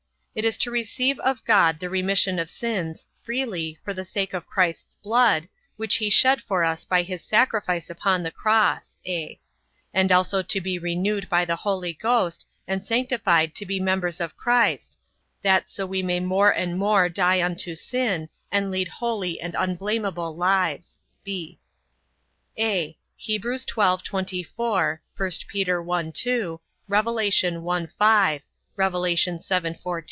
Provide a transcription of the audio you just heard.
It is to receive of God the remission of sins, freely, for the sake of Christ's blood, which he shed for us by his sacrifice upon the cross; (a) and also to be renewed by the Holy Ghost, and sanctified to be members of Christ, that so we may more and more die unto sin, and lead holy and unblamable lives. (b) (a) Heb.12:24; 1 Pet.1:2; Rev.1:5; Rev.7:14; Zech.13:1; Ezek.36:25. (b) John 1:33; John 3:5; 1 Cor.